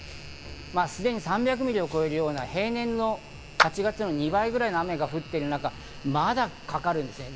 すでに３００ミリを超えるような平年の８月の２倍ぐらいの雨が降っている中、まだかかるんですね。